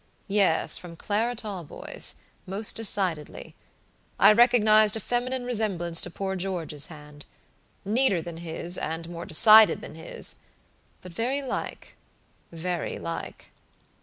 "Yes, from Clara Talboys, most decidedly; I recognized a feminine resemblance to poor George's hand; neater than his, and more decided than his, but very like, very like."